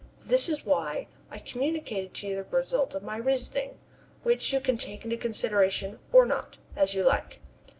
This is why I communicated to you the result of my reasoning, which you can take into consideration or not, as you like."